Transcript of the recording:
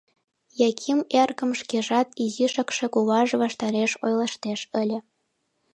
Яким эргым шкежат изишакше кугыжа ваштареш ойлыштеш ыле.